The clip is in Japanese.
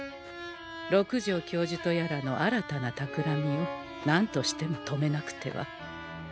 六条教授とやらの新たなたくらみをなんとしても止めなくては。